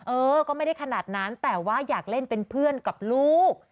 เออก็ไม่ได้ขนาดนั้นแต่ว่าอยากเล่นเป็นเพื่อนกับลูก